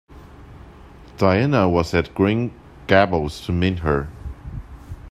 Diana was at Green Gables to meet her.